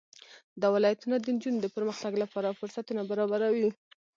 دا ولایتونه د نجونو د پرمختګ لپاره فرصتونه برابروي.